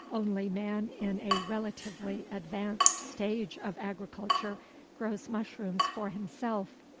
Only man in a relatively advanced stage of agriculture grows mushrooms for himself.